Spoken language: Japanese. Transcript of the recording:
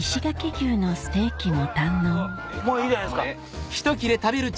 この後もういいじゃないですか。